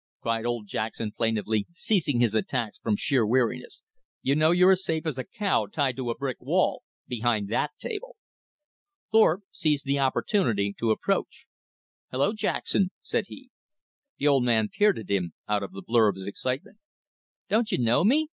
cried old Jackson plaintively, ceasing his attacks from sheer weariness. "You know you're as safe as a cow tied to a brick wall behind that table." Thorpe seized the opportunity to approach. "Hello, Jackson," said he. The old man peered at him out of the blur of his excitement. "Don't you know me?"